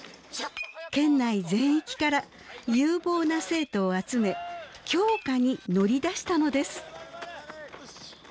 県内全域から有望な生徒を集め強化に乗り出したのです。